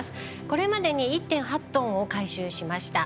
これまでに１．８トンを回収しました。